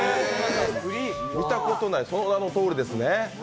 見たことない、その名のとおりですね。